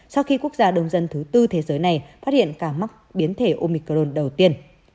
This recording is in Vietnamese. sau khi quốc gia đông dân thứ tư thế giới này phát hiện cả mắc biến thể omicron đầu tiên